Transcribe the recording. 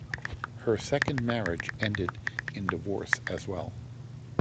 Her second marriage ended in divorce as well.